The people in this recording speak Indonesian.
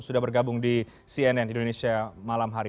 sudah bergabung di cnn indonesia malam hari